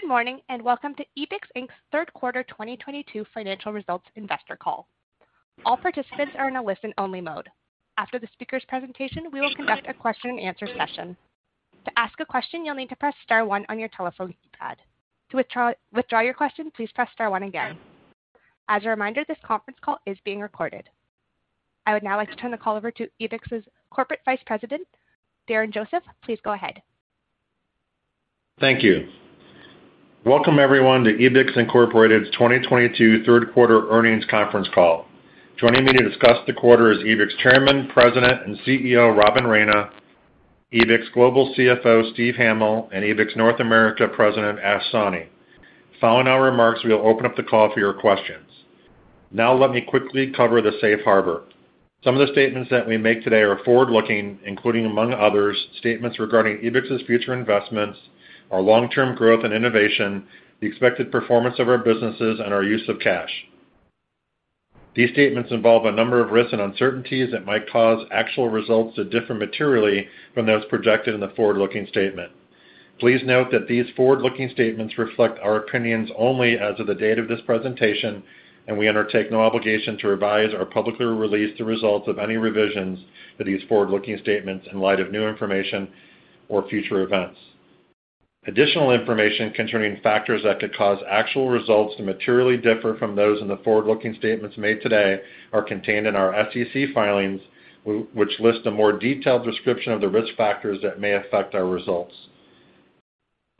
Good morning, and welcome to Ebix Inc's third quarter 2022 financial results investor call. All participants are in a listen-only mode. After the speaker's presentation, we will conduct a question-and-answer session. To ask a question, you'll need to press star one on your telephone keypad. To withdraw your question, please press star one again. As a reminder, this conference call is being recorded. I would now like to turn the call over to Ebix's Corporate Vice President, Darren Joseph. Please go ahead. Thank you. Welcome, everyone, to Ebix Inc's 2022 third quarter earnings conference call. Joining me to discuss the quarter is Ebix Chairman, President, and CEO, Robin Raina, Ebix Global CFO, Steven Hamil, and Ebix North America President, Ash Sawhney. Following our remarks, we'll open up the call for your questions. Now let me quickly cover the safe harbor. Some of the statements that we make today are forward-looking, including, among others, statements regarding Ebix's future investments, our long-term growth and innovation, the expected performance of our businesses, and our use of cash. These statements involve a number of risks and uncertainties that might cause actual results to differ materially from those projected in the forward-looking statement. Please note that these forward-looking statements reflect our opinions only as of the date of this presentation, and we undertake no obligation to revise or publicly release the results of any revisions to these forward-looking statements in light of new information or future events. Additional information concerning factors that could cause actual results to materially differ from those in the forward-looking statements made today are contained in our SEC filings, which list a more detailed description of the risk factors that may affect our results.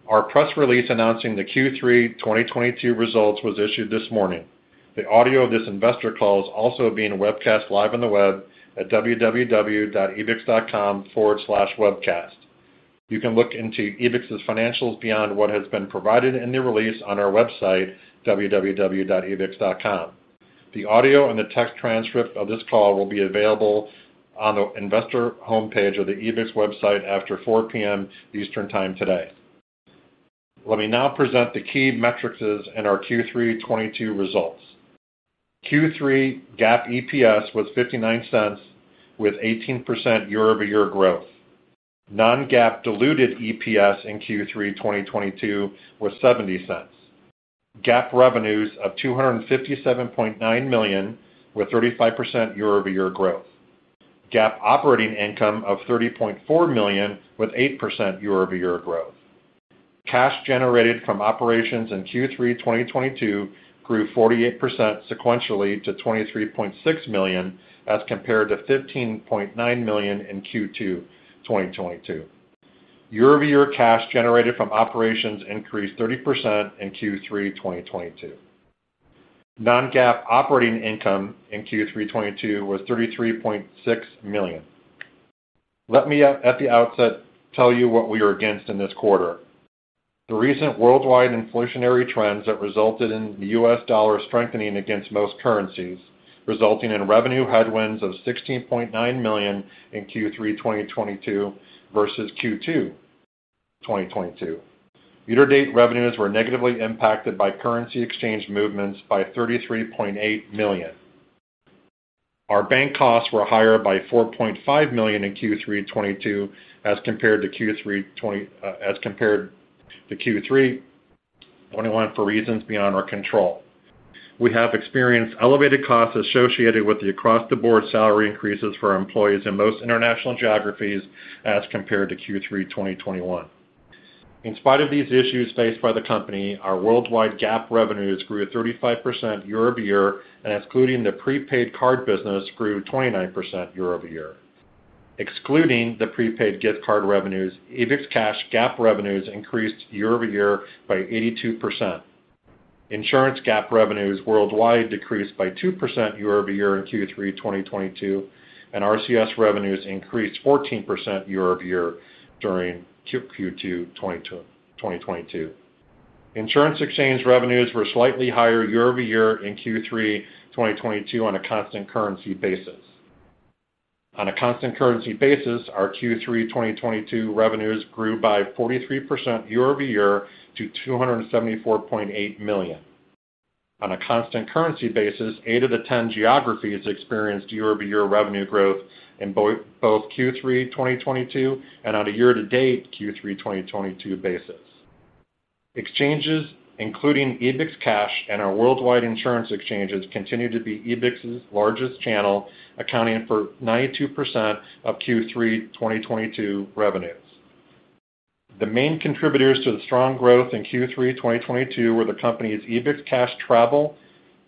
Our press release announcing the Q3 2022 results was issued this morning. The audio of this investor call is also being webcast live on the web at www.ebix.com/webcast. You can look into Ebix's financials beyond what has been provided in the release on our website, www.ebix.com. The audio and the text transcript of this call will be available on the investor homepage of the Ebix website after 4:00 P.M. Eastern Time today. Let me now present the key metrics in our Q3 2022 results. Q3 GAAP EPS was $0.59 with 18% year-over-year growth. Non-GAAP diluted EPS in Q3 2022 was $0.70. GAAP revenues of $257.9 million, with 35% year-over-year growth. GAAP operating income of $30.4 million, with 8% year-over-year growth. Cash generated from operations in Q3 2022 grew 48% sequentially to $23.6 million, as compared to $15.9 million in Q2 2022. Year-over-year cash generated from operations increased 30% in Q3 2022. Non-GAAP operating income in Q3 2022 was $33.6 million. Let me at the outset tell you what we are against in this quarter. The recent worldwide inflationary trends that resulted in the U.S. dollar strengthening against most currencies, resulting in revenue headwinds of $16.9 million in Q3 2022 versus Q2 2022. Year-to-date revenues were negatively impacted by currency exchange movements by $33.8 million. Our bank costs were higher by $4.5 million in Q3 2022 as compared to Q3 2021 for reasons beyond our control. We have experienced elevated costs associated with the across-the-board salary increases for our employees in most international geographies as compared to Q3 2021. In spite of these issues faced by the company, our worldwide GAAP revenues grew at 35% year-over-year, and excluding the prepaid card business, grew 29% year-over-year. Excluding the prepaid gift card revenues, EbixCash GAAP revenues increased year-over-year by 82%. Insurance GAAP revenues worldwide decreased by 2% year-over-year in Q3 2022, and RCS revenues increased 14% year-over-year during Q2 2022. Insurance exchange revenues were slightly higher year-over-year in Q3 2022 on a constant currency basis. On a constant currency basis, our Q3 2022 revenues grew by 43% year-over-year to $274.8 million. On a constant currency basis, eight of the 10 geographies experienced year-over-year revenue growth in both Q3 2022 and on a year-to-date Q3 2022 basis. Exchanges, including EbixCash and our worldwide insurance exchanges, continue to be Ebix's largest channel, accounting for 92% of Q3 2022 revenues. The main contributors to the strong growth in Q3 2022 were the company's EbixCash travel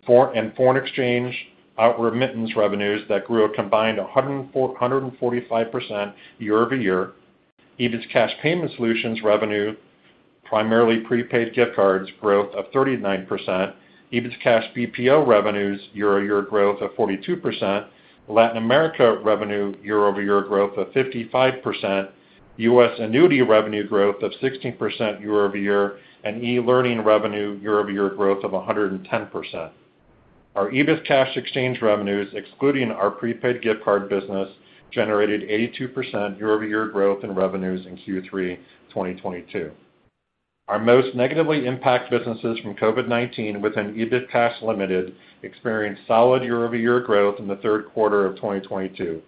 forex and foreign exchange outward remittance revenues that grew a combined 145% year-over-year. EbixCash payment solutions revenue, primarily prepaid gift cards, growth of 39%. EbixCash BPO revenues year-over-year growth of 42%. Latin America revenue year-over-year growth of 55%. U.S. annuity revenue growth of 16% year-over-year, and e-learning revenue year-over-year growth of 110%. Our EbixCash exchange revenues, excluding our prepaid gift card business, generated 82% year-over-year growth in revenues in Q3 2022. Our most negatively impacted businesses from COVID-19 within EbixCash Limited experienced solid year-over-year growth in the third quarter of 2022.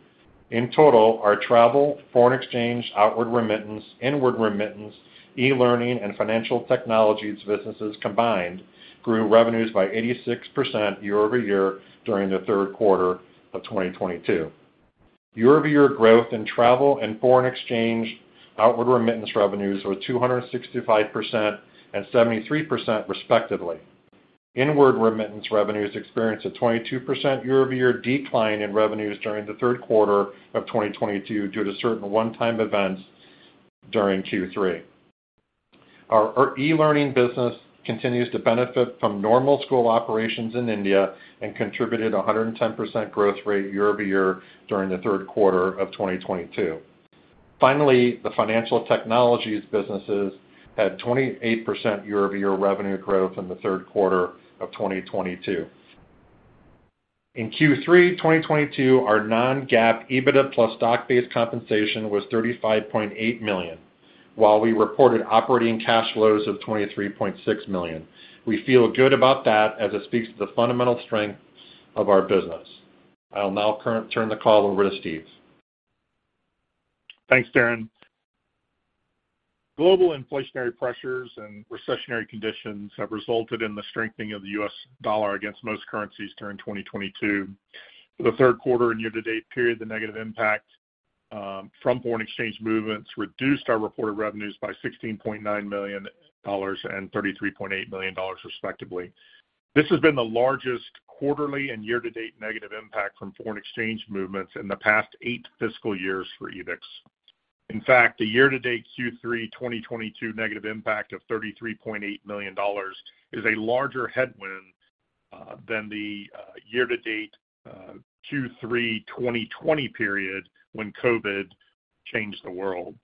In total, our travel, foreign exchange, outward remittance, inward remittance, e-learning and financial technologies businesses combined grew revenues by 86% year-over-year during the third quarter of 2022. Year-over-year growth in travel and foreign exchange outward remittance revenues were 265% and 73% respectively. Inward remittance revenues experienced a 22% year-over-year decline in revenues during the third quarter of 2022 due to certain one-time events during Q3. Our e-learning business continues to benefit from normal school operations in India and contributed 110% growth rate year-over-year during the third quarter of 2022. Finally, the financial technologies businesses had 28% year-over-year revenue growth in the third quarter of 2022. In Q3 2022, our non-GAAP EBITDA plus stock-based compensation was $35.8 million, while we reported operating cash flows of $23.6 million. We feel good about that as it speaks to the fundamental strength of our business. I'll now turn the call over to Steve. Thanks, Darren. Global inflationary pressures and recessionary conditions have resulted in the strengthening of the U.S. dollar against most currencies during 2022. For the third quarter and year to date period, the negative impact from foreign exchange movements reduced our reported revenues by $16.9 million and $33.8 million respectively. This has been the largest quarterly and year to date negative impact from foreign exchange movements in the past 8 fiscal years for Ebix. In fact, the year to date Q3 2022 negative impact of $33.8 million is a larger headwind than the year to date Q3 2020 period when COVID changed the world.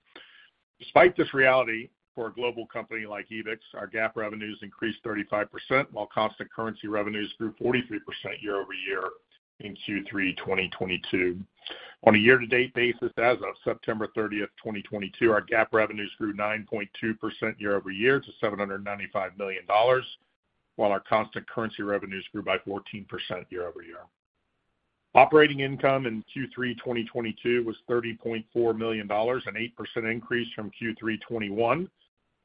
Despite this reality for a global company like Ebix, our GAAP revenues increased 35% while constant currency revenues grew 43% year-over-year in Q3 2022. On a year-to-date basis, as of September 30, 2022, our GAAP revenues grew 9.2% year-over-year to $795 million, while our constant currency revenues grew by 14% year-over-year. Operating income in Q3 2022 was $30.4 million, an 8% increase from Q3 2021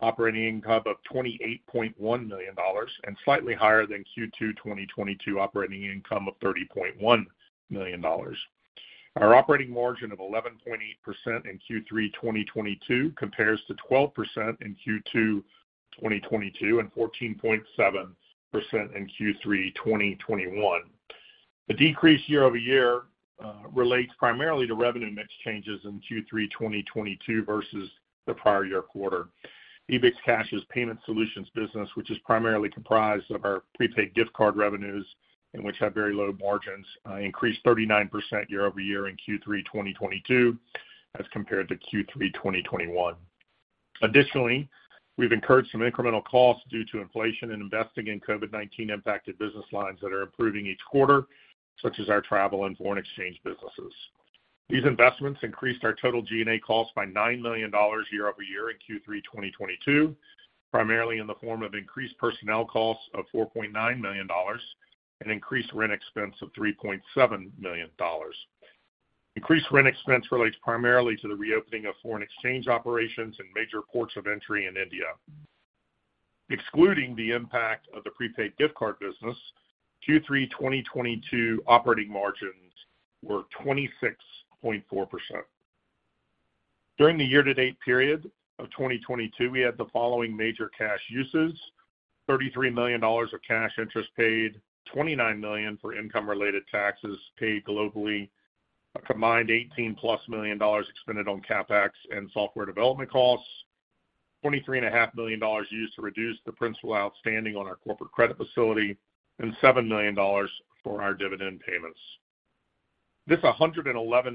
operating income of $28.1 million and slightly higher than Q2 2022 operating income of $30.1 million. Our operating margin of 11.8% in Q3 2022 compares to 12% in Q2 2022 and 14.7% in Q3 2021. The decrease year-over-year relates primarily to revenue mix changes in Q3 2022 versus the prior year quarter. EbixCash's payment solutions business, which is primarily comprised of our prepaid gift card revenues and which have very low margins, increased 39% year-over-year in Q3 2022 as compared to Q3 2021. Additionally, we've incurred some incremental costs due to inflation and investing in COVID-19 impacted business lines that are improving each quarter, such as our travel and foreign exchange businesses. These investments increased our total G&A costs by $9 million year-over-year in Q3 2022, primarily in the form of increased personnel costs of $4.9 million and increased rent expense of $3.7 million. Increased rent expense relates primarily to the reopening of foreign exchange operations in major ports of entry in India. Excluding the impact of the prepaid gift card business, Q3 2022 operating margins were 26.4%. During the year to date period of 2022, we had the following major cash uses, $33 million of cash interest paid, $29 million for income related taxes paid globally, a combined $18+ million expended on CapEx and software development costs, $23.5 million used to reduce the principal outstanding on our corporate credit facility, and $7 million for our dividend payments. This $111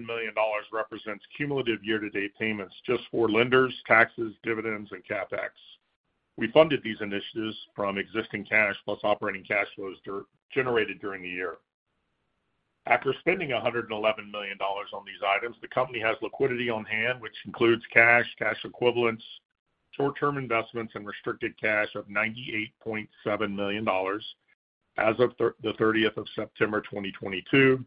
million represents cumulative year to date payments just for lenders, taxes, dividends, and CapEx. We funded these initiatives from existing cash plus operating cash flows generated during the year. After spending $111 million on these items, the company has liquidity on hand, which includes cash equivalents, short-term investments, and restricted cash of $98.7 million as of the 30th of September 2022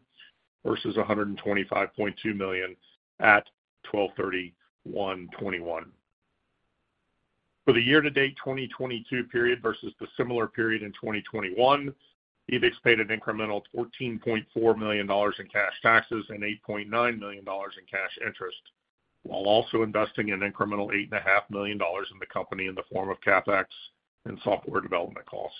versus $125.2 million at 12/31/2021. For the year-to-date 2022 period versus the similar period in 2021, Ebix paid an incremental $14.4 million in cash taxes and $8.9 million in cash interest, while also investing an incremental $8.5 million in the company in the form of CapEx and software development costs.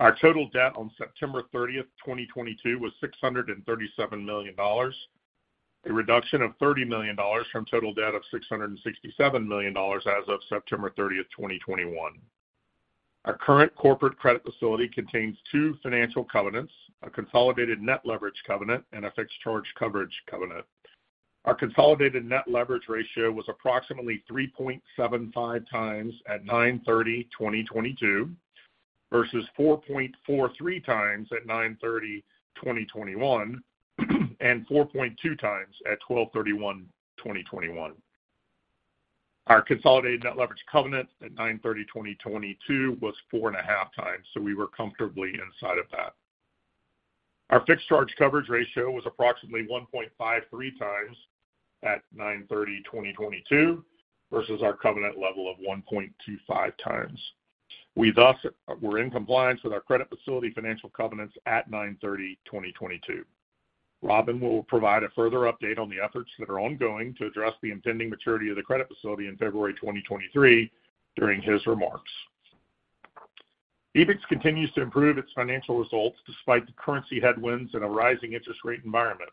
Our total debt on September 30th, 2022 was $637 million, a reduction of $30 million from total debt of $667 million as of September 30th, 2021. Our current corporate credit facility contains two financial covenants, a consolidated net leverage covenant and a fixed charge coverage covenant. Our consolidated net leverage ratio was approximately 3.75x at 9/30/2022 versus 4.43x at 9/30/2021 and 4.2x at 12/31/2021. Our consolidated net leverage covenant at 9/30/2022 was 4.5x, so we were comfortably inside of that. Our fixed charge coverage ratio was approximately 1.53x at 9/30/2022 versus our covenant level of 1.25x. We thus were in compliance with our credit facility financial covenants at 9/30/2022. Robin will provide a further update on the efforts that are ongoing to address the impending maturity of the credit facility in February 2023 during his remarks. Ebix continues to improve its financial results despite the currency headwinds in a rising interest rate environment.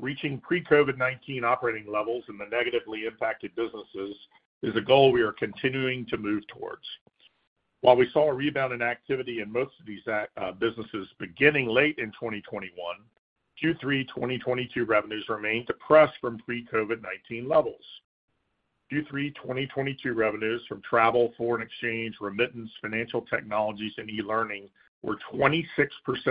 Reaching pre-COVID-19 operating levels in the negatively impacted businesses is a goal we are continuing to move towards. While we saw a rebound in activity in most of these businesses beginning late in 2021, Q3 2022 revenues remained depressed from pre-COVID-19 levels. Q3 2022 revenues from travel, foreign exchange, remittance, financial technologies, and e-learning were 26%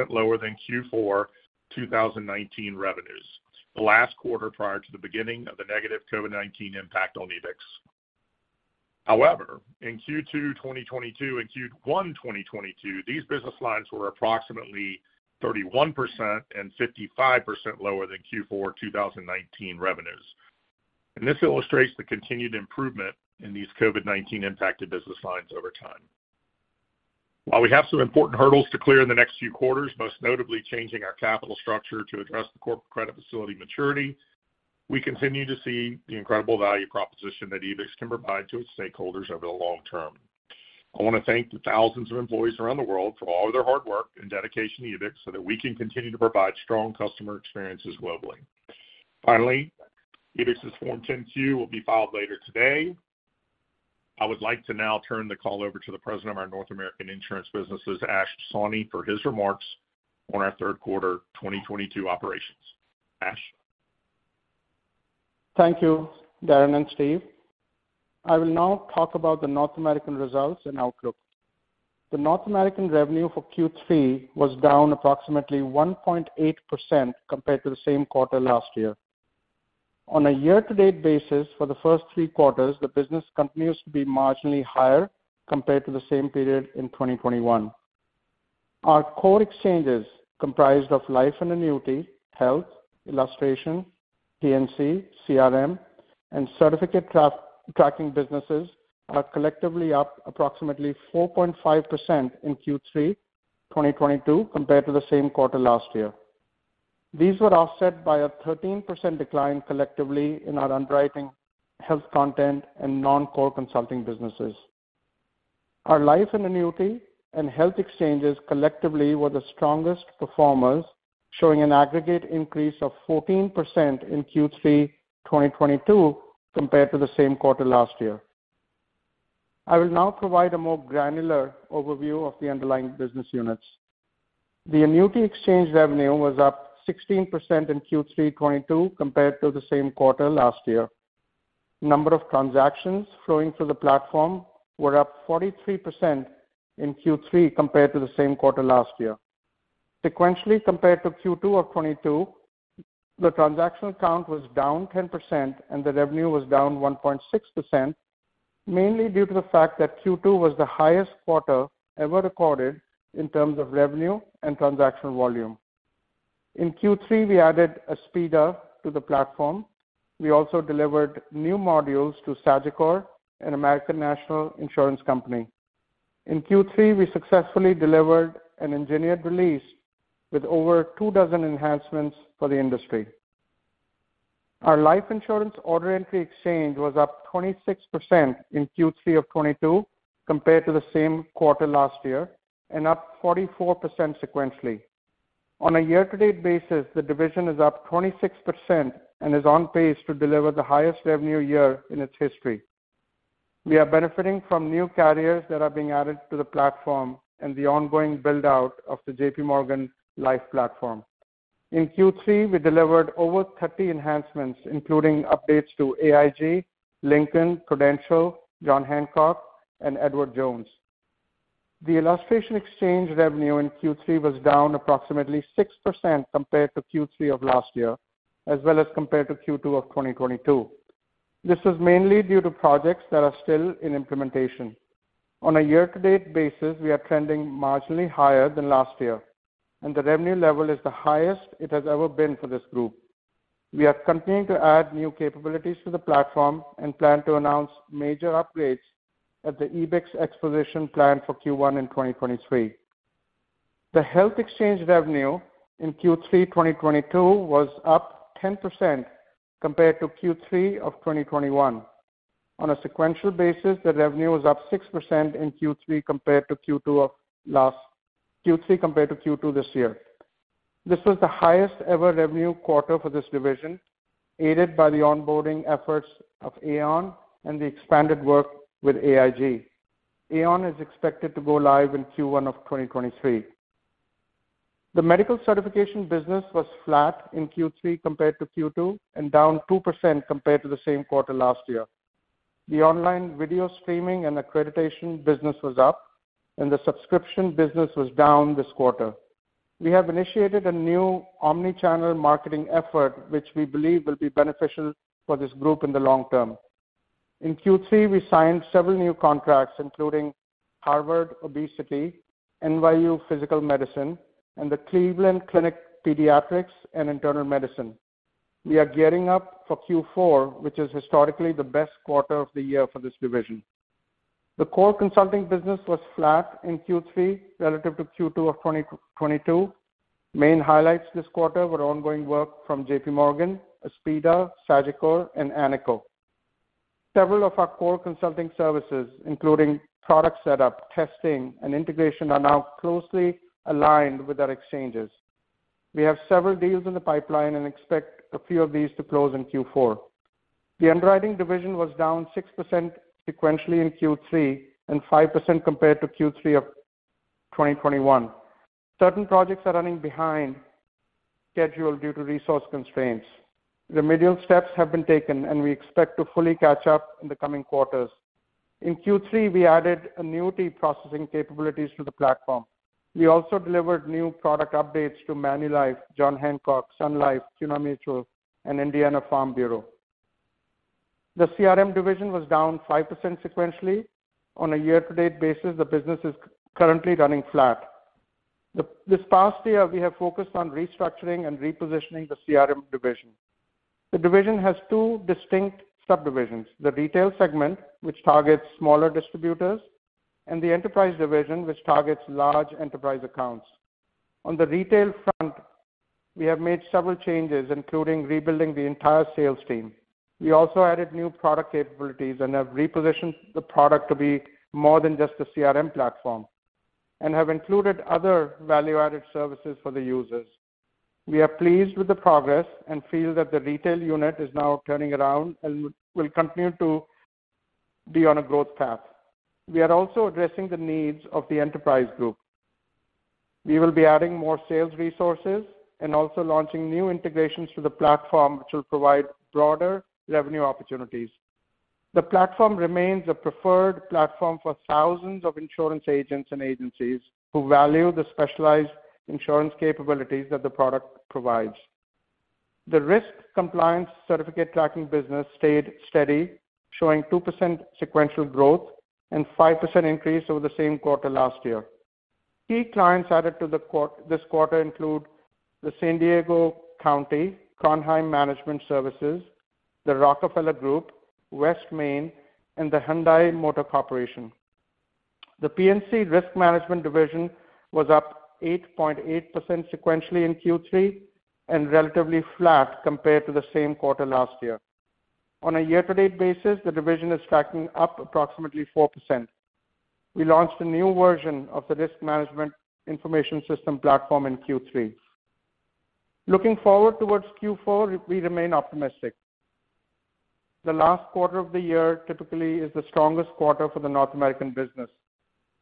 lower than Q4 2019 revenues, the last quarter prior to the beginning of the negative COVID-19 impact on Ebix. However, in Q2 2022 and Q1 2022, these business lines were approximately 31% and 55% lower than Q4 2019 revenues. This illustrates the continued improvement in these COVID-19 impacted business lines over time. While we have some important hurdles to clear in the next few quarters, most notably changing our capital structure to address the corporate credit facility maturity, we continue to see the incredible value proposition that Ebix can provide to its stakeholders over the long term. I wanna thank the thousands of employees around the world for all of their hard work and dedication to Ebix so that we can continue to provide strong customer experiences globally. Finally, Ebix's Form 10-Q will be filed later today. I would like to now turn the call over to the president of our North American Insurance businesses, Ash Sawhney, for his remarks on our third quarter 2022 operations. Ash? Thank you, Darren and Steve. I will now talk about the North American results and outlook. The North American revenue for Q3 was down approximately 1.8% compared to the same quarter last year. On a year-to-date basis for the first three quarters, the business continues to be marginally higher compared to the same period in 2021. Our core exchanges comprised of life and annuity, health, illustration, P&C, CRM, and certificate tracking businesses are collectively up approximately 4.5% in Q3 2022 compared to the same quarter last year. These were offset by a 13% decline collectively in our underwriting, health content, and non-core consulting businesses. Our life and annuity and health exchanges collectively were the strongest performers, showing an aggregate increase of 14% in Q3 2022 compared to the same quarter last year. I will now provide a more granular overview of the underlying business units. The annuity exchange revenue was up 16% in Q3 2022 compared to the same quarter last year. Number of transactions flowing through the platform were up 43% in Q3 compared to the same quarter last year. Sequentially, compared to Q2 of 2022, the transaction count was down 10%, and the revenue was down 1.6%, mainly due to the fact that Q2 was the highest quarter ever recorded in terms of revenue and transactional volume. In Q3, we added Aspida to the platform. We also delivered new modules to Sagicor and American National Insurance Company. In Q3, we successfully delivered an engineered release with over two dozen enhancements for the industry. Our life insurance order entry exchange was up 26% in Q3 of 2022 compared to the same quarter last year and up 44% sequentially. On a year-to-date basis, the division is up 26% and is on pace to deliver the highest revenue year in its history. We are benefiting from new carriers that are being added to the platform and the ongoing build-out of the JPMorgan Life platform. In Q3, we delivered over 30 enhancements, including updates to AIG, Lincoln, Prudential, John Hancock, and Edward Jones. The illustration exchange revenue in Q3 was down approximately 6% compared to Q3 of last year, as well as compared to Q2 of 2022. This is mainly due to projects that are still in implementation. On a year-to-date basis, we are trending marginally higher than last year, and the revenue level is the highest it has ever been for this group. We are continuing to add new capabilities to the platform and plan to announce major upgrades at the Ebix Exposition planned for Q1 in 2023. The health exchange revenue in Q3 2022 was up 10% compared to Q3 of 2021. On a sequential basis, the revenue was up 6% in Q3 compared to Q2 this year. This was the highest ever revenue quarter for this division, aided by the onboarding efforts of Aon and the expanded work with AIG. Aon is expected to go live in Q1 of 2023. The medical certification business was flat in Q3 compared to Q2 and down 2% compared to the same quarter last year. The online video streaming and accreditation business was up, and the subscription business was down this quarter. We have initiated a new omni-channel marketing effort which we believe will be beneficial for this group in the long term. In Q3, we signed several new contracts, including Harvard Obesity, NYU Physical Medicine, and the Cleveland Clinic Pediatrics and Internal Medicine. We are gearing up for Q4, which is historically the best quarter of the year for this division. The core consulting business was flat in Q3 relative to Q2 of 2022. Main highlights this quarter were ongoing work from JPMorgan, Aspida, Sagicor and ANICO. Several of our core consulting services, including product setup, testing, and integration, are now closely aligned with our exchanges. We have several deals in the pipeline and expect a few of these to close in Q4. The underwriting division was down 6% sequentially in Q3 and 5% compared to Q3 of 2021. Certain projects are running behind schedule due to resource constraints. Remedial steps have been taken and we expect to fully catch up in the coming quarters. In Q3, we added annuity processing capabilities to the platform. We also delivered new product updates to Manulife, John Hancock, Sun Life, CUNA Mutual and Indiana Farm Bureau. The CRM division was down 5% sequentially. On a year-to-date basis, the business is currently running flat. This past year, we have focused on restructuring and repositioning the CRM division. The division has two distinct subdivisions, the retail segment which targets smaller distributors and the enterprise division which targets large enterprise accounts. On the retail front, we have made several changes including rebuilding the entire sales team. We also added new product capabilities and have repositioned the product to be more than just a CRM platform and have included other value-added services for the users. We are pleased with the progress and feel that the retail unit is now turning around and will continue to be on a growth path. We are also addressing the needs of the enterprise group. We will be adding more sales resources and also launching new integrations to the platform to provide broader revenue opportunities. The platform remains a preferred platform for thousands of insurance agents and agencies who value the specialized insurance capabilities that the product provides. The risk compliance certificate tracking business stayed steady, showing 2% sequential growth and 5% increase over the same quarter last year. Key clients added this quarter include the San Diego County, Cronheim Management Services, the Rockefeller Group, Westmain, and the Hyundai Motor Corporation. The P&C Risk Management division was up 8.8% sequentially in Q3 and relatively flat compared to the same quarter last year. On a year-to-date basis, the division is stacking up approximately 4%. We launched a new version of the risk management information system platform in Q3. Looking forward towards Q4, we remain optimistic. The last quarter of the year typically is the strongest quarter for the North American business.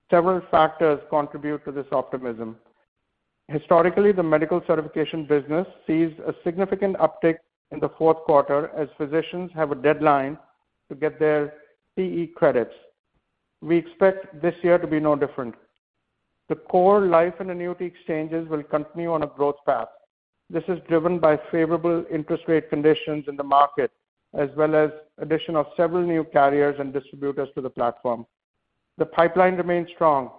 Several factors contribute to this optimism. Historically, the medical certification business sees a significant uptick in the fourth quarter as physicians have a deadline to get their CE credits. We expect this year to be no different. The core life and annuity exchanges will continue on a growth path. This is driven by favorable interest rate conditions in the market, as well as addition of several new carriers and distributors to the platform. The pipeline remains strong.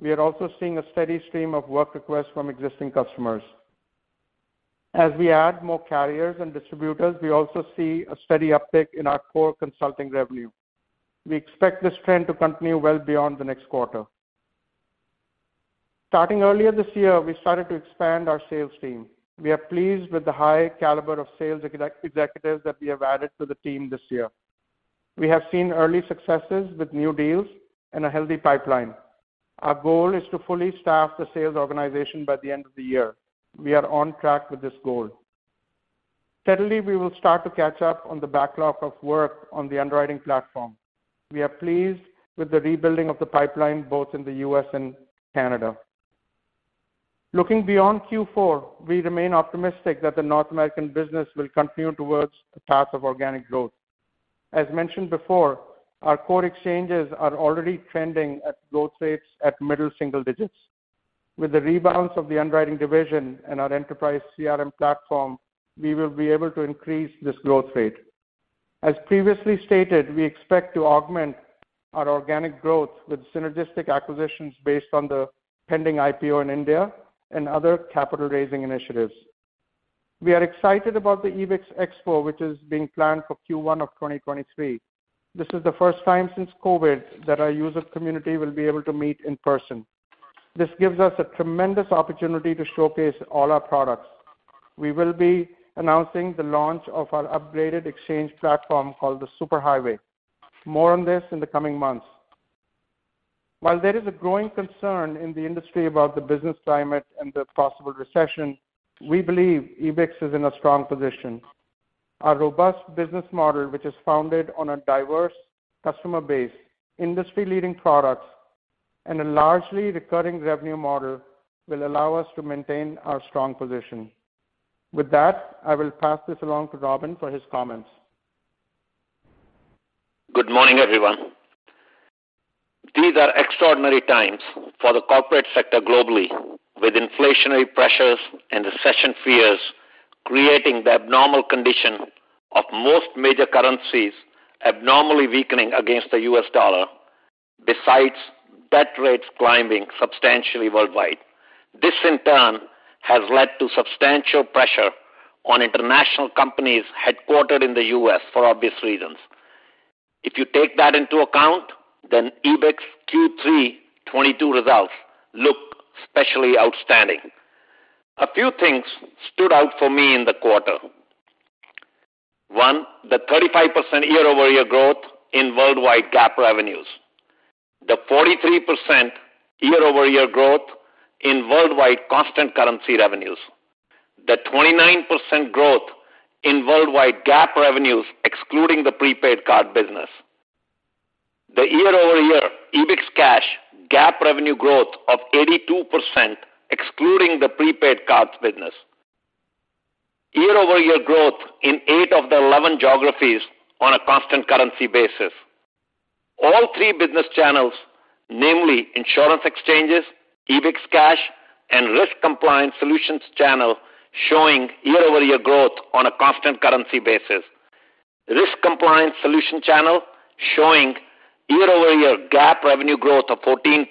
We are also seeing a steady stream of work requests from existing customers. As we add more carriers and distributors, we also see a steady uptick in our core consulting revenue. We expect this trend to continue well beyond the next quarter. Starting earlier this year, we started to expand our sales team. We are pleased with the high caliber of sales executives that we have added to the team this year. We have seen early successes with new deals and a healthy pipeline. Our goal is to fully staff the sales organization by the end of the year. We are on track with this goal. Thirdly, we will start to catch up on the backlog of work on the underwriting platform. We are pleased with the rebuilding of the pipeline, both in the U.S. and Canada. Looking beyond Q4, we remain optimistic that the North American business will continue towards a path of organic growth. As mentioned before, our core exchanges are already trending at growth rates at middle single digits. With the rebounds of the underwriting division and our enterprise CRM platform, we will be able to increase this growth rate. As previously stated, we expect to augment our organic growth with synergistic acquisitions based on the pending IPO in India and other capital raising initiatives. We are excited about the Ebix Expo, which is being planned for Q1 of 2023. This is the first time since COVID that our user community will be able to meet in person. This gives us a tremendous opportunity to showcase all our products. We will be announcing the launch of our upgraded exchange platform called the Super Highway. More on this in the coming months. While there is a growing concern in the industry about the business climate and the possible recession, we believe Ebix is in a strong position. Our robust business model which is founded on a diverse customer base, industry-leading products, and a largely recurring revenue model will allow us to maintain our strong position. With that, I will pass this along to Robin for his comments. Good morning, everyone. These are extraordinary times for the corporate sector globally, with inflationary pressures and recession fears creating the abnormal condition of most major currencies abnormally weakening against the U.S. dollar, besides debt rates climbing substantially worldwide. This, in turn, has led to substantial pressure on international companies headquartered in the U.S. for obvious reasons. If you take that into account, then Ebix Q3 2022 results look especially outstanding. A few things stood out for me in the quarter. One, the 35% year-over-year growth in worldwide GAAP revenues. The 43% year-over-year growth in worldwide constant currency revenues. The 29% growth in worldwide GAAP revenues excluding the prepaid card business. The year-over-year EbixCash GAAP revenue growth of 82% excluding the prepaid cards business. Year-over-year growth in eight of the 11 geographies on a constant currency basis. All three business channels, namely insurance exchanges, EbixCash, and risk compliance solutions channel showing year-over-year growth on a constant currency basis. Risk compliance solution channel showing year-over-year GAAP revenue growth of 14%.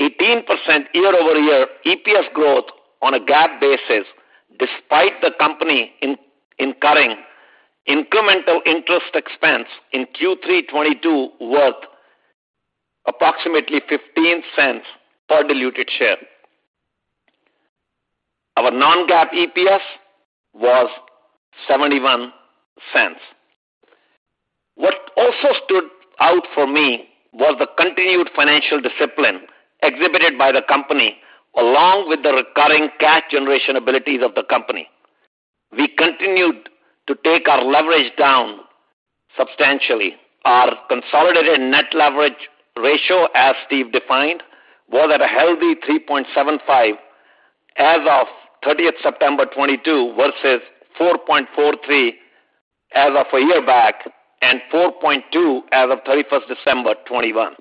18% year-over-year EPS growth on a GAAP basis despite the company incurring incremental interest expense in Q3 2022 worth approximately $0.15 per diluted share. Our non-GAAP EPS was $0.71. What also stood out for me was the continued financial discipline exhibited by the company along with the recurring cash generation abilities of the company. We continued to take our leverage down substantially. Our consolidated net leverage ratio, as Steve defined, was at a healthy 3.75 as of 30th September 2022 versus 4.43 as of a year back and 4.2 as of thirty-first December 2021.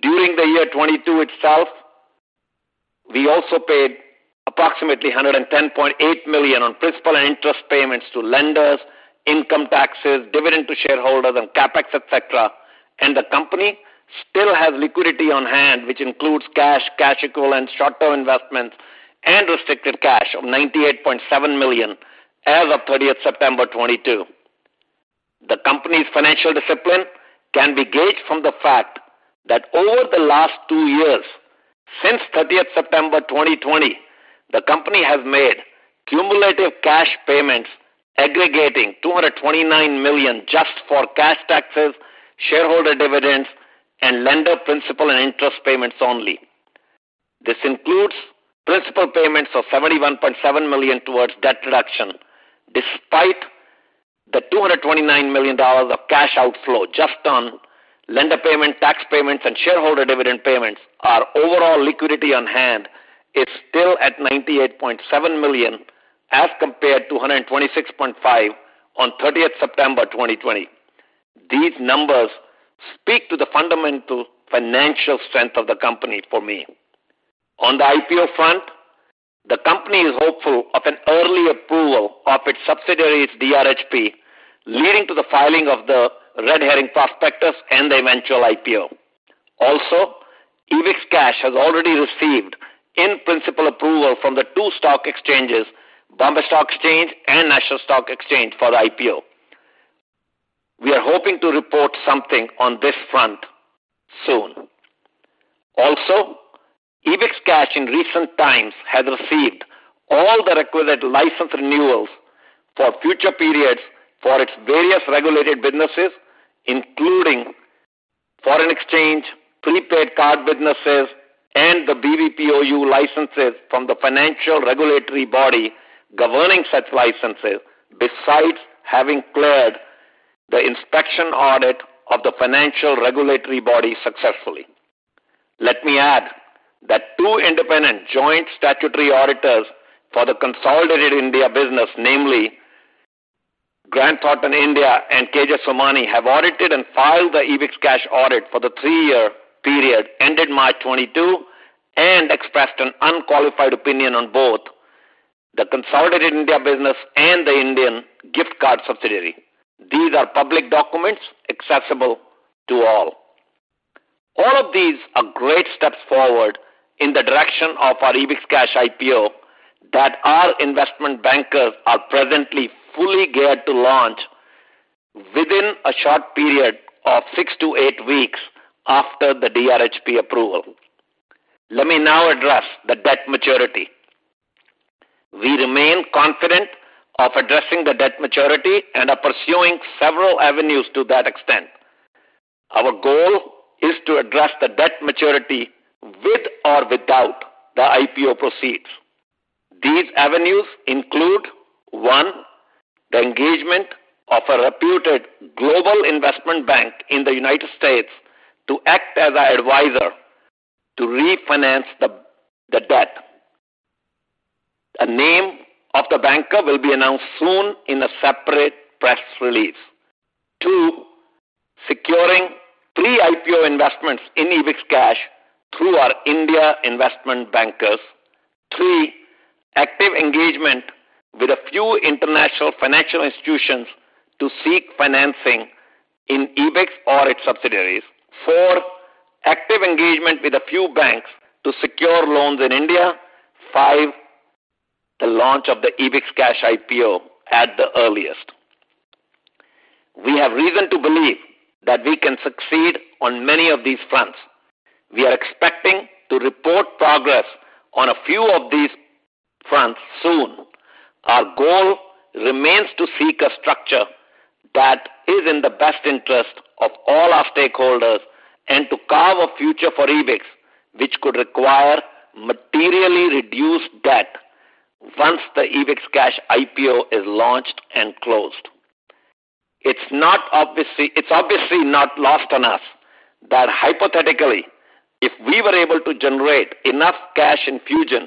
During the year 2022 itself, we also paid approximately $110.8 million on principal and interest payments to lenders, income taxes, dividend to shareholders, and CapEx, et cetera. The company still has liquidity on hand which includes cash equivalent, short-term investments, and restricted cash of $98.7 million as of 30th September 2022. The company's financial discipline can be gauged from the fact that over the last two years, since 30th September 2020, the company has made cumulative cash payments aggregating $229 million just for cash taxes, shareholder dividends, and lender principal and interest payments only. This includes principal payments of $71.7 million towards debt reduction. Despite the $229 million of cash outflow just on lender payment, tax payments, and shareholder dividend payments, our overall liquidity on hand is still at $98.7 million as compared to $126.5 million on 30th September 2020. These numbers speak to the fundamental financial strength of the company for me. On the IPO front, the company is hopeful of an early approval of its subsidiaries DRHP, leading to the filing of the red herring prospectus and the eventual IPO. Also, EbixCash has already received in-principle approval from the two stock exchanges, Bombay Stock Exchange and National Stock Exchange, for the IPO. We are hoping to report something on this front soon. EbixCash in recent times has received all the requisite license renewals for future periods for its various regulated businesses, including foreign exchange, prepaid card businesses, and the BBPOU licenses from the financial regulatory body governing such licenses, besides having cleared the inspection audit of the financial regulatory body successfully. Let me add that two independent joint statutory auditors for the consolidated India business, namely Grant Thornton India and KG Somani, have audited and filed the EbixCash audit for the three-year period ended March 2022 and expressed an unqualified opinion on both the consolidated India business and the Indian gift card subsidiary. These are public documents accessible to all. All of these are great steps forward in the direction of our EbixCash IPO that our investment bankers are presently fully geared to launch within a short period of six-eight weeks after the DRHP approval. Let me now address the debt maturity. We remain confident of addressing the debt maturity and are pursuing several avenues to that extent. Our goal is to address the debt maturity with or without the IPO proceeds. These avenues include, one, the engagement of a reputed global investment bank in the United States to act as our advisor to refinance the debt. A name of the banker will be announced soon in a separate press release. Two, securing three IPO investments in EbixCash through our India investment bankers. Three, active engagement with a few international financial institutions to seek financing in Ebix or its subsidiaries. Four, active engagement with a few banks to secure loans in India. Five, the launch of the EbixCash IPO at the earliest. We have reason to believe that we can succeed on many of these fronts. We are expecting to report progress on a few of these fronts soon. Our goal remains to seek a structure that is in the best interest of all our stakeholders and to carve a future for Ebix, which could require materially reduced debt once the EbixCash IPO is launched and closed. It's obviously not lost on us that hypothetically, if we were able to generate enough cash infusion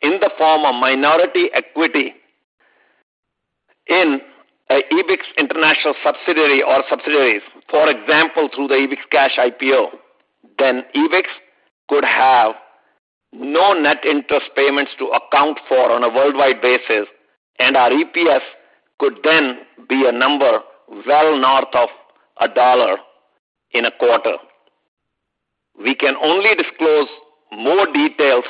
in the form of minority equity in a Ebix international subsidiary or subsidiaries, for example, through the EbixCash IPO, then Ebix could have no net interest payments to account for on a worldwide basis, and our EPS could then be a number well north of a dollar in a quarter. We can only disclose more details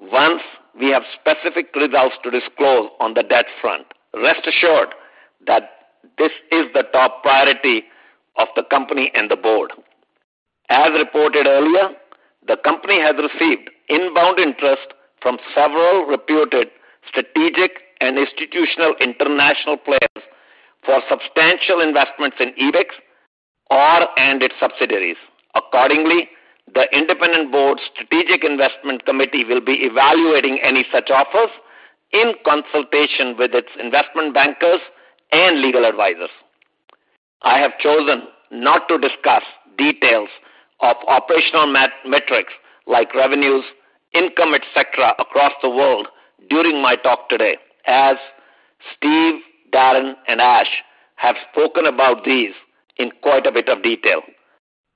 once we have specific results to disclose on the debt front. Rest assured that this is the top priority of the company and the board. As reported earlier, the company has received inbound interest from several reputed strategic and institutional international players for substantial investments in Ebix or and its subsidiaries. Accordingly, the independent board strategic investment committee will be evaluating any such offers in consultation with its investment bankers and legal advisors. I have chosen not to discuss details of operational metrics like revenues, income, et cetera, across the world during my talk today, as Steve, Darren, and Ash have spoken about these in quite a bit of detail.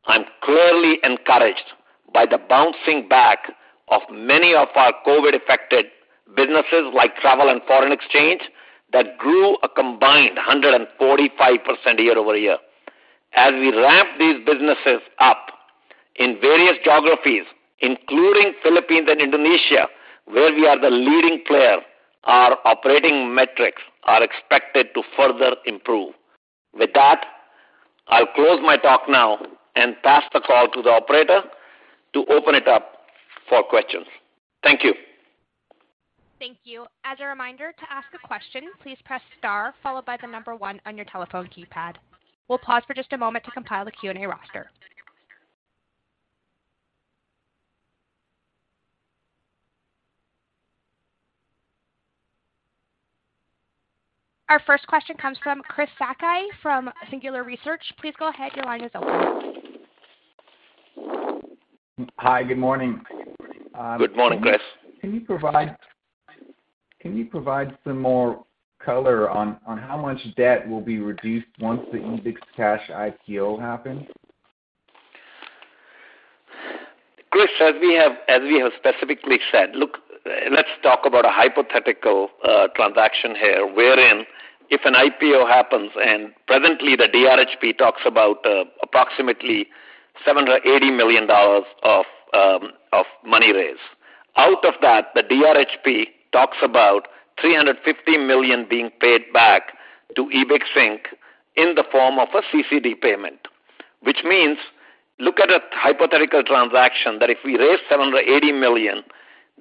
I'm clearly encouraged by the bouncing back of many of our COVID-affected businesses like travel and foreign exchange that grew a combined 145% year-over-year. As we ramp these businesses up in various geographies, including Philippines and Indonesia, where we are the leading player, our operating metrics are expected to further improve. With that, I'll close my talk now and pass the call to the operator to open it up for questions. Thank you. Thank you. As a reminder to ask a question, please press star followed by the number one on your telephone keypad. We'll pause for just a moment to compile the Q&A roster. Our first question comes from Chris Sakai from Singular Research. Please go ahead. Your line is open. Hi. Good morning. Good morning, Chris. Can you provide some more color on how much debt will be reduced once the EbixCash IPO happens? Chris, as we have specifically said, look, let's talk about a hypothetical transaction here wherein if an IPO happens and presently the DRHP talks about approximately $780 million of money raised. Out of that, the DRHP talks about $350 million being paid back to Ebix Inc in the form of a CCD payment. Which means look at a hypothetical transaction that if we raise $780 million,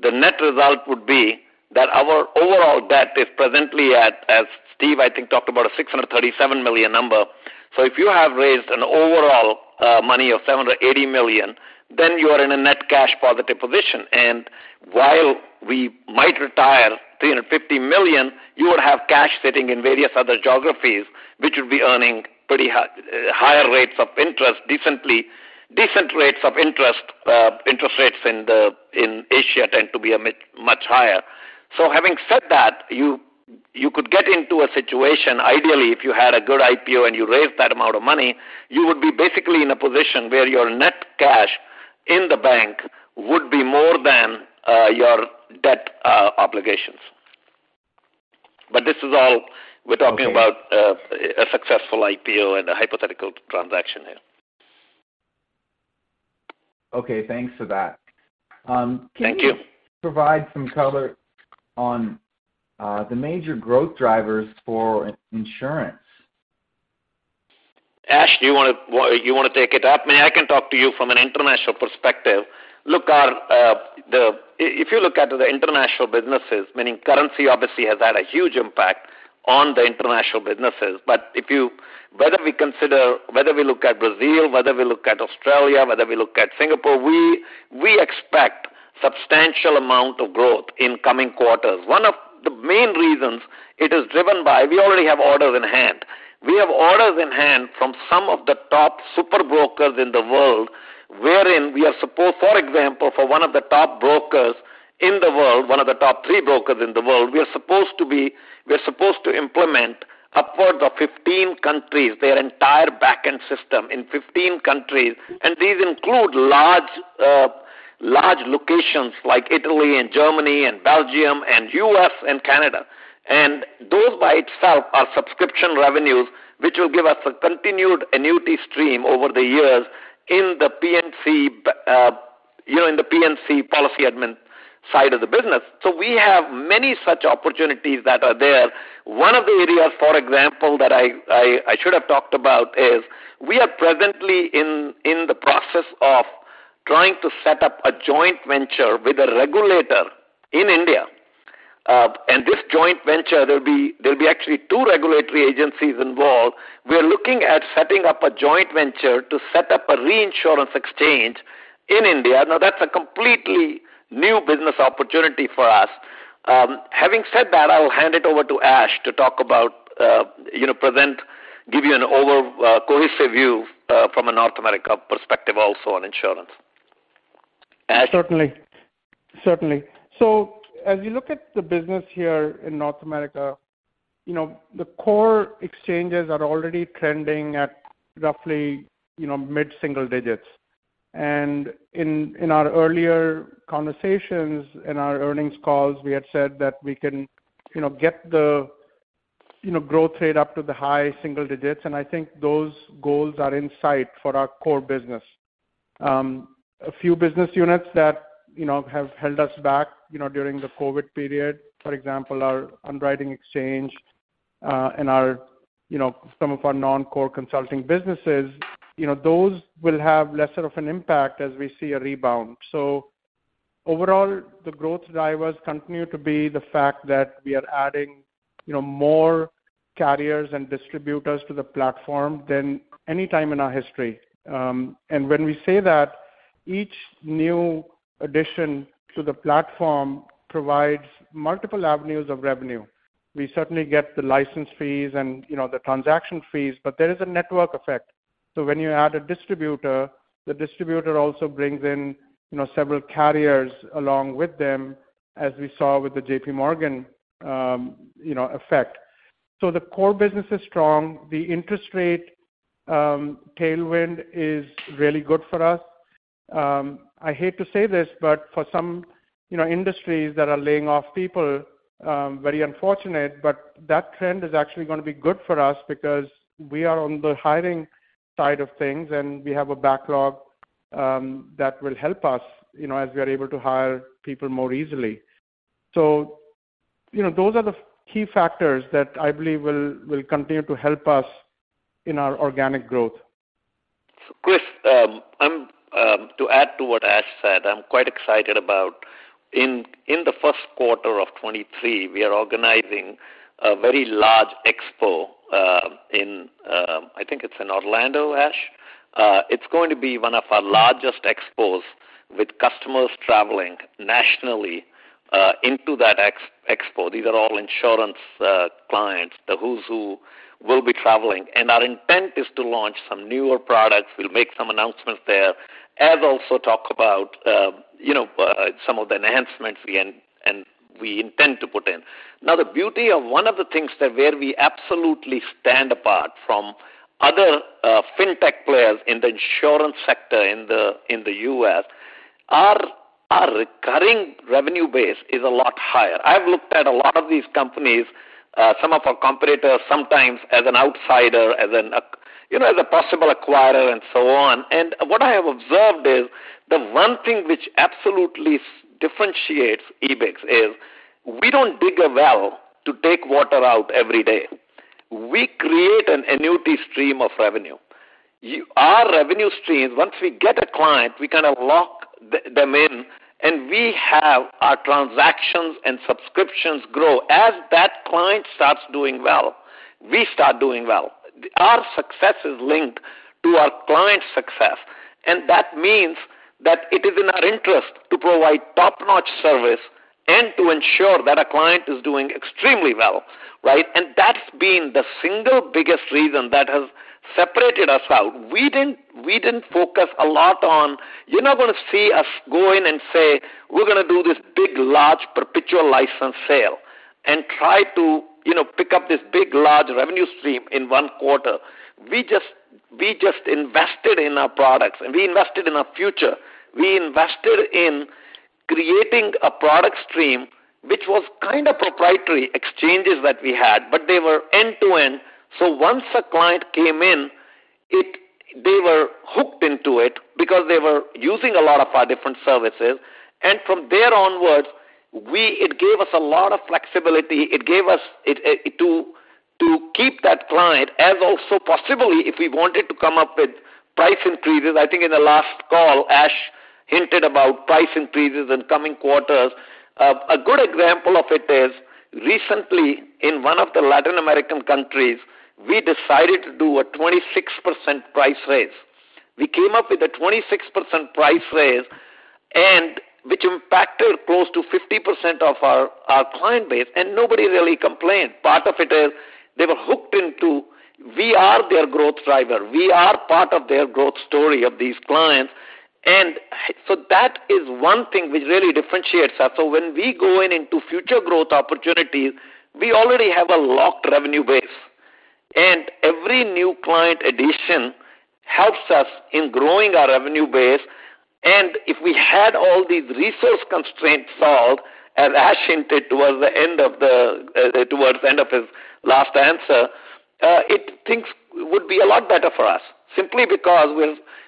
the net result would be that our overall debt is presently at, as Steve, I think, talked about, a $637 million number. If you have raised an overall money of $780 million, then you are in a net cash positive position. While we might retire $350 million, you would have cash sitting in various other geographies, which would be earning pretty decent rates of interest. Interest rates in Asia tend to be a bit higher. Having said that, you could get into a situation, ideally, if you had a good IPO and you raised that amount of money, you would be basically in a position where your net cash in the bank would be more than your debt obligations. This is all we're talking about, a successful IPO and a hypothetical transaction here. Okay, thanks for that. Thank you. Can you provide some color on the major growth drivers for insurance? Ash, do you wanna take it up? I mean, I can talk to you from an international perspective. Look, if you look at the international businesses, meaning currency obviously has had a huge impact on the international businesses. Whether we consider, whether we look at Brazil, whether we look at Australia, whether we look at Singapore, we expect substantial amount of growth in coming quarters. One of the main reasons it is driven by we already have orders in hand. We have orders in hand from some of the top super brokers in the world, wherein we are supposed, for example, for one of the top brokers in the world, one of the top three brokers in the world, we're supposed to implement upwards of 15 countries, their entire back-end system in 15 countries. These include large locations like Italy and Germany and Belgium and U.S. and Canada. Those by itself are subscription revenues, which will give us a continued annuity stream over the years in the P&C, you know, in the P&C policy admin side of the business. We have many such opportunities that are there. One of the areas, for example, that I should have talked about is we are presently in the process of trying to set up a joint venture with a regulator in India. This joint venture, there'll be actually two regulatory agencies involved. We are looking at setting up a joint venture to set up a reinsurance exchange in India. Now, that's a completely new business opportunity for us. Having said that, I will hand it over to Ash to talk about, you know, give you an overall cohesive view from a North America perspective also on insurance. Ash? Certainly. As you look at the business here in North America, you know, the core exchanges are already trending at roughly, you know, mid-single digits. In our earlier conversations, in our earnings calls, we had said that we can, you know, get the growth rate up to the high single digits, and I think those goals are in sight for our core business. A few business units that, you know, have held us back, you know, during the COVID period, for example, our underwriting exchange, and our, you know, some of our non-core consulting businesses, you know, those will have lesser of an impact as we see a rebound. Overall, the growth drivers continue to be the fact that we are adding, you know, more carriers and distributors to the platform than any time in our history. When we say that, each new addition to the platform provides multiple avenues of revenue. We certainly get the license fees and, you know, the transaction fees, but there is a network effect. When you add a distributor, the distributor also brings in, you know, several carriers along with them, as we saw with the JPMorgan, you know, effect. The core business is strong. The interest rate tailwind is really good for us. I hate to say this, but for some, you know, industries that are laying off people, very unfortunate, but that trend is actually gonna be good for us because we are on the hiring side of things and we have a backlog that will help us, you know, as we are able to hire people more easily. you know, those are the key factors that I believe will continue to help us in our organic growth. Chris, to add to what Ash said, I'm quite excited about in the first quarter of 2023, we are organizing a very large expo in I think it's in Orlando, Ash. It's going to be one of our largest expos with customers traveling nationally into that expo. These are all insurance clients, the who's who will be traveling. Our intent is to launch some newer products. We'll make some announcements there, as also talk about you know some of the enhancements we intend to put in. Now, the beauty of one of the things that where we absolutely stand apart from other fintech players in the insurance sector in the U.S., our recurring revenue base is a lot higher. I've looked at a lot of these companies, some of our competitors, sometimes as an outsider, you know, as a possible acquirer and so on. What I have observed is the one thing which absolutely differentiates Ebix is we don't dig a well to take water out every day. We create an annuity stream of revenue. Our revenue stream, once we get a client, we kinda lock them in, and we have our transactions and subscriptions grow. As that client starts doing well, we start doing well. Our success is linked to our clients' success, and that means that it is in our interest to provide top-notch service and to ensure that a client is doing extremely well, right? That's been the single biggest reason that has separated us out. We didn't focus a lot on. You're not gonna see us go in and say, "We're gonna do this big, large perpetual license sale," and try to, you know, pick up this big, large revenue stream in one quarter. We just invested in our products, and we invested in our future. We invested in creating a product stream, which was kind of proprietary exchanges that we had, but they were end-to-end. Once a client came in, they were hooked into it because they were using a lot of our different services. From there onwards, it gave us a lot of flexibility. It gave us it to keep that client as also possibly if we wanted to come up with price increases. I think in the last call, Ash hinted about price increases in coming quarters. A good example of it is recently in one of the Latin American countries, we decided to do a 26% price raise. We came up with a 26% price raise and which impacted close to 50% of our client base, and nobody really complained. Part of it is they were hooked into we are their growth driver. We are part of their growth story of these clients. That is one thing which really differentiates us. When we go into future growth opportunities, we already have a locked revenue base, and every new client addition helps us in growing our revenue base. If we had all these resource constraints solved, as Ash hinted towards the end of his last answer, things would be a lot better for us simply because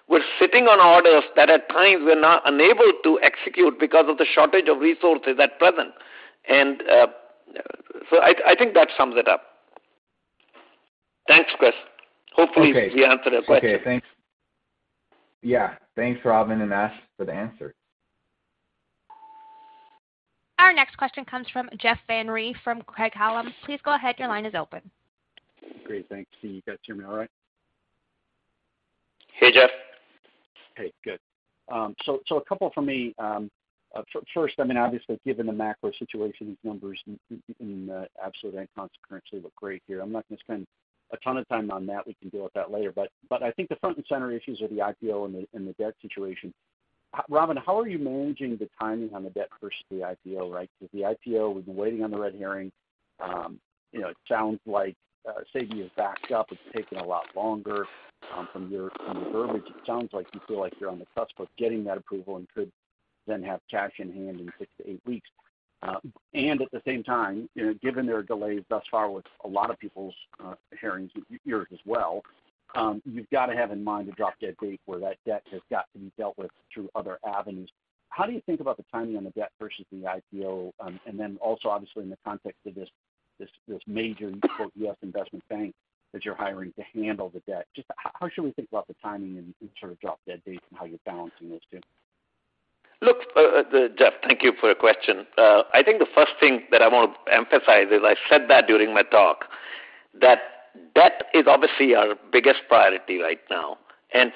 we're sitting on orders that at times we're not unable to execute because of the shortage of resources at present. I think that sums it up. Thanks, Chris. Hopefully we answered your question. Okay. Thanks. Yeah. Thanks, Robin and Ash for the answer. Our next question comes from Jeff Van Rhee from Craig-Hallum. Please go ahead. Your line is open. Great. Thanks. Can you guys hear me all right? Hey, Jeff. Hey, good. A couple from me. First, I mean, obviously, given the macro situation, these numbers in absolute and relative look great here. I'm not gonna spend a ton of time on that. We can deal with that later. I think the front and center issues are the IPO and the debt situation. Robin, how are you managing the timing on the debt versus the IPO, right? With the IPO, we've been waiting on the red herring. You know, it sounds like SEBI is backed up. It's taking a lot longer from the verbiage. It sounds like you feel like you're on the cusp of getting that approval and could then have cash in hand in six-eight weeks. At the same time, you know, given their delays thus far with a lot of people's hearings, yours as well, you've got to have in mind a drop-dead date where that debt has got to be dealt with through other avenues. How do you think about the timing on the debt versus the IPO? Also obviously in the context of this major quote U.S. investment bank that you're hiring to handle the debt. Just how should we think about the timing and sort of drop-dead dates and how you're balancing those two? Look, Jeff, thank you for your question. I think the first thing that I want to emphasize is I said that during my talk, that debt is obviously our biggest priority right now.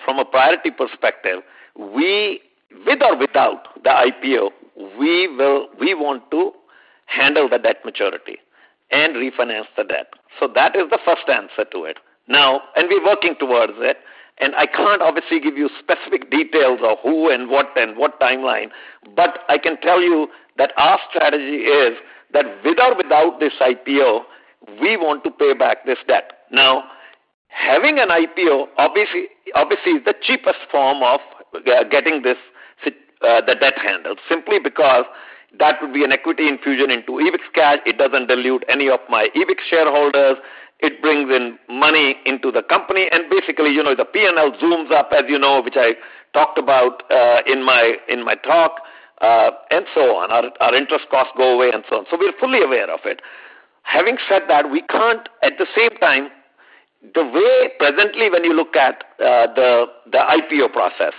From a priority perspective, we want to handle the debt maturity and refinance the debt. That is the first answer to it. We're working towards it, and I can't obviously give you specific details of who and what and what timeline, but I can tell you that our strategy is that with or without this IPO, we want to pay back this debt. Having an IPO, obviously is the cheapest form of getting this, the debt handled, simply because that would be an equity infusion into EbixCash. It doesn't dilute any of my Ebix shareholders. It brings in money into the company. Basically, you know, the P&L zooms up as you know, which I talked about in my talk, and so on. Our interest costs go away and so on. We're fully aware of it. Having said that, we can't at the same time, the way presently, when you look at the IPO process.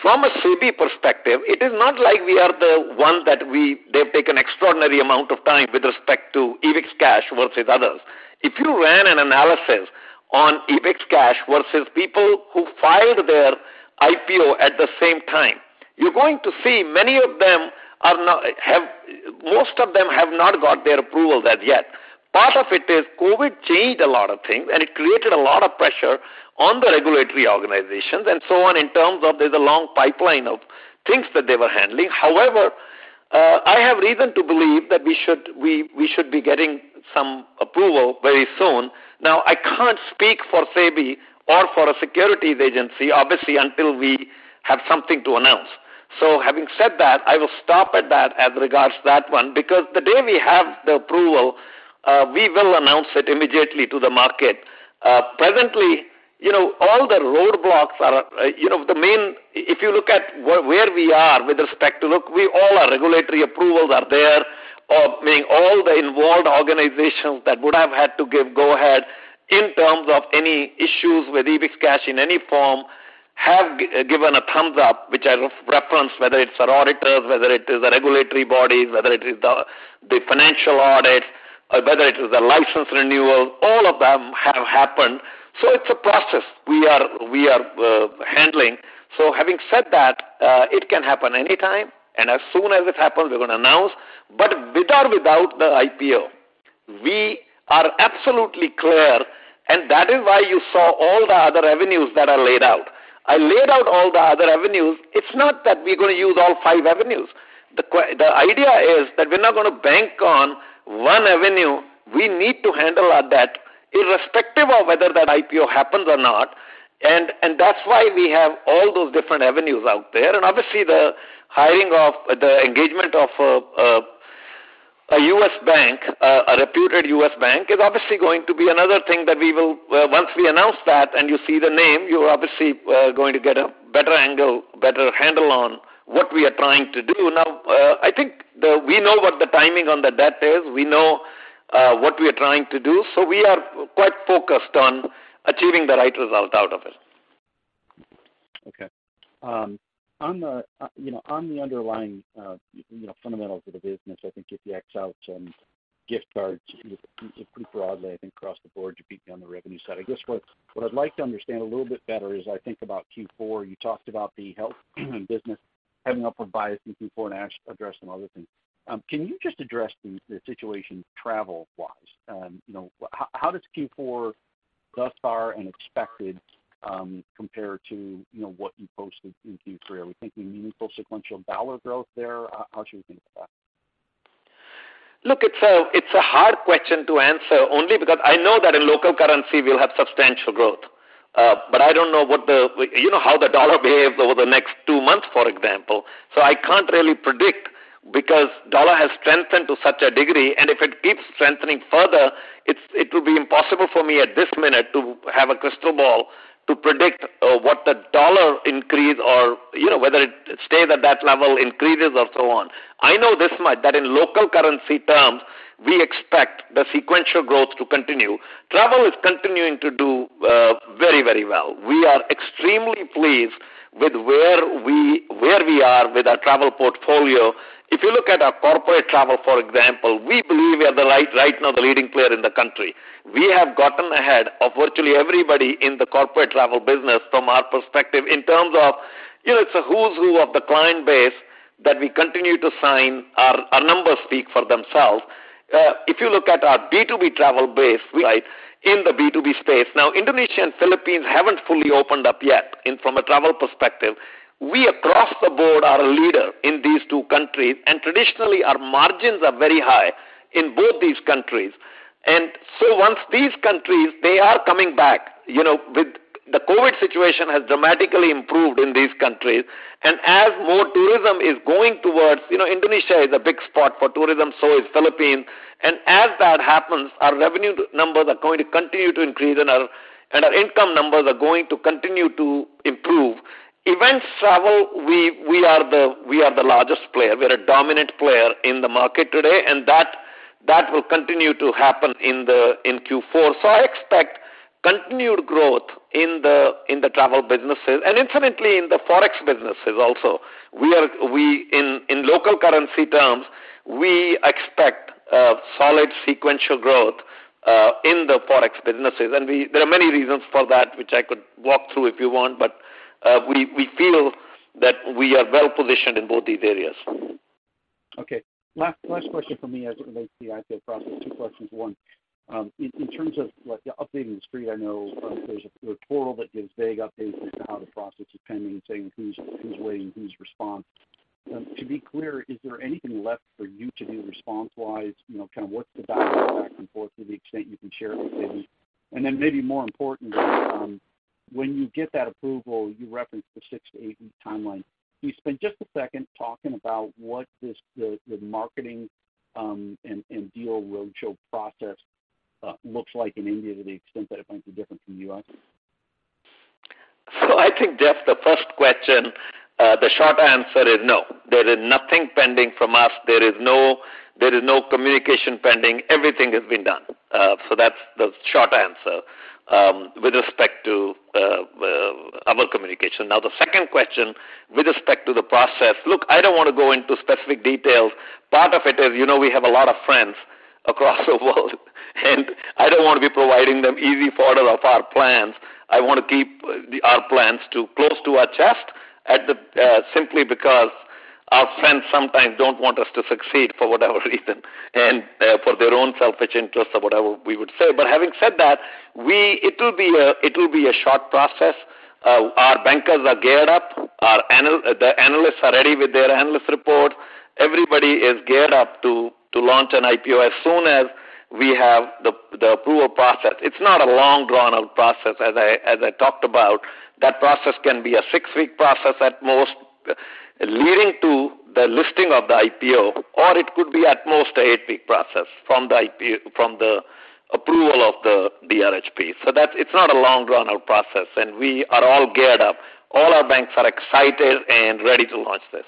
From a SEBI perspective, it is not like we are the one that they've taken extraordinary amount of time with respect to EbixCash versus others. If you ran an analysis on EbixCash versus people who filed their IPO at the same time, you're going to see most of them have not got their approval as yet. Part of it is COVID changed a lot of things, and it created a lot of pressure on the regulatory organizations and so on in terms of there's a long pipeline of things that they were handling. However, I have reason to believe that we should be getting some approval very soon. Now, I can't speak for SEBI or for a securities agency, obviously, until we have something to announce. Having said that, I will stop at that as regards to that one, because the day we have the approval, we will announce it immediately to the market. Presently, you know, all the roadblocks are, you know. If you look at where we are, look, all our regulatory approvals are there, meaning all the involved organizations that would have had to give go-ahead in terms of any issues with EbixCash in any form have given a thumbs up, which I reference, whether it's our auditors, whether it is the regulatory bodies, whether it is the financial audit, or whether it is the license renewal, all of them have happened. It's a process we are handling. Having said that, it can happen anytime, and as soon as it happens, we're gonna announce. But with or without the IPO, we are absolutely clear, and that is why you saw all the other avenues that are laid out. I laid out all the other avenues. It's not that we're gonna use all five avenues. The idea is that we're not gonna bank on one avenue. We need to handle our debt irrespective of whether that IPO happens or not. That's why we have all those different avenues out there. Obviously, the engagement of a reputed U.S. bank is obviously going to be another thing that we will. Once we announce that and you see the name, you're obviously going to get a better angle, better handle on what we are trying to do. Now, I think we know what the timing on the debt is, we know what we are trying to do, so we are quite focused on achieving the right result out of it. Okay. On the underlying you know fundamentals of the business, I think if you x out some gift cards pretty broadly, I think across the board, you beat me on the revenue side. I guess what I'd like to understand a little bit better is I think about Q4. You talked about the health business heading up for Ebix in Q4 and addressed some other things. Can you just address the situation travel-wise? You know, how does Q4 thus far and expected compare to you know what you posted in Q3? Are we thinking meaningful sequential dollar growth there? How should we think about that? Look, it's a hard question to answer only because I know that in local currency we'll have substantial growth. But I don't know. You know how the dollar behaves over the next two months, for example. I can't really predict because dollar has strengthened to such a degree, and if it keeps strengthening further, it will be impossible for me at this minute to have a crystal ball to predict what the dollar increase or, you know, whether it stays at that level, increases or so on. I know this much, that in local currency terms, we expect the sequential growth to continue. Travel is continuing to do very, very well. We are extremely pleased with where we are with our travel portfolio. If you look at our corporate travel, for example, we believe we are right now the leading player in the country. We have gotten ahead of virtually everybody in the corporate travel business from our perspective in terms of, you know, it's a who's who of the client base that we continue to sign. Our numbers speak for themselves. If you look at our B2B travel base, right in the B2B space. Now, Indonesia and Philippines haven't fully opened up yet from a travel perspective. We across the board are a leader in these two countries, and traditionally our margins are very high in both these countries. Once these countries, they are coming back, you know, with the COVID situation has dramatically improved in these countries. As more tourism is going towards, you know, Indonesia is a big spot for tourism, so is Philippines. As that happens, our revenue numbers are going to continue to increase and our income numbers are going to continue to improve. Events, travel, we are the largest player. We're a dominant player in the market today, and that will continue to happen in Q4. I expect continued growth in the travel businesses and identically in the Forex businesses also. In local currency terms, we expect solid sequential growth in the Forex businesses. There are many reasons for that, which I could walk through if you want, but we feel that we are well positioned in both these areas. Okay, last question for me as it relates to the IPO process. Two questions. One, in terms of like updating the Street, I know there's a portal that gives vague updates as to how the process is pending and saying who's waiting, who's responding. To be clear, is there anything left for you to do response-wise? You know, kind of what's the back and forth to the extent you can share it with maybe? Then maybe more importantly, when you get that approval, you referenced the six-eight timeline. Can you spend just a second talking about what the marketing and deal roadshow process looks like in India to the extent that it might be different from U.S.? I think, Jeff, the first question, the short answer is no. There is nothing pending from us. There is no communication pending. Everything has been done. That's the short answer with respect to our communication. Now the second question with respect to the process. Look, I don't wanna go into specific details. Part of it is, you know, we have a lot of friends across the world, and I don't wanna be providing them easy photos of our plans. I wanna keep our plans close to our chest simply because our friends sometimes don't want us to succeed for whatever reason, and for their own selfish interests or whatever we would say. Having said that, it will be a short process. Our bankers are geared up. The analysts are ready with their analyst report. Everybody is geared up to launch an IPO as soon as we have the approval process. It's not a long, drawn-out process, as I talked about. That process can be a six-week process at most, leading to the listing of the IPO, or it could be at most an eight-week process from the approval of the DRHP. It's not a long, drawn-out process, and we are all geared up. All our banks are excited and ready to launch this.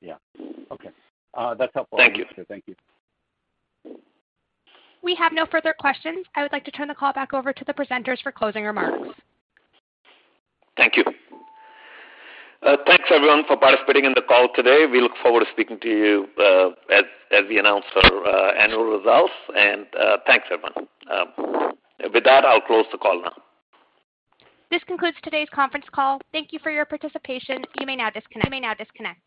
Yeah. Okay. That's helpful. Thank you. Thank you. We have no further questions. I would like to turn the call back over to the presenters for closing remarks. Thank you. Thanks, everyone, for participating in the call today. We look forward to speaking to you, as we announce our annual results. Thanks, everyone. With that, I'll close the call now. This concludes today's conference call. Thank you for your participation. You may now disconnect.